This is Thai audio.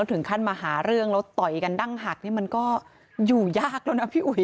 ถึงขั้นมาหาเรื่องแล้วต่อยกันดั้งหักนี่มันก็อยู่ยากแล้วนะพี่อุ๋ย